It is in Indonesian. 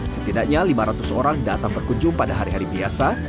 setidaknya lima ratus orang datang berkunjung pada hari hari biasa